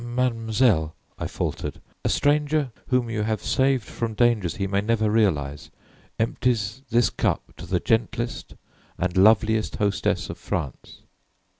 "Mademoiselle," I faltered, "a stranger whom you have saved from dangers he may never realize empties this cup to the gentlest and loveliest hostess of France."